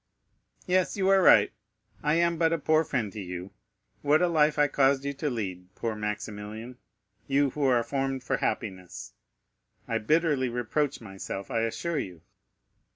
"Yes, you are right; I am but a poor friend to you. What a life I cause you to lead, poor Maximilian, you who are formed for happiness! I bitterly reproach myself, I assure you."